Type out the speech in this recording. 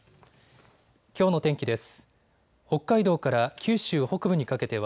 きょうの天気です。